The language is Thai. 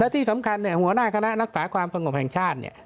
ที่สำคัญเนี่ยหัวหน้าคณะรักษาความสงบแห่งชาติเนี่ย